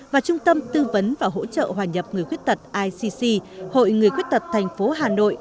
và trung tâm tư vấn và hỗ trợ hòa nhập người khuyết tật icc hội người khuyết tật thành phố hà nội